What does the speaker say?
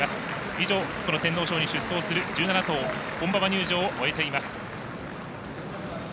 以上、天皇賞に出走する１７頭本馬場入場を終えています。